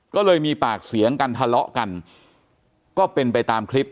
ก็เลยมีปากเสียงกันทะเลาะกันก็เป็นไปตามคลิป